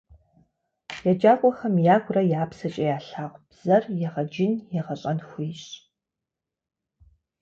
Еджакӏуэхэм ягурэ я псэкӏэ ялъагъу бзэр егъэджын, егъэщӏэн хуейщ.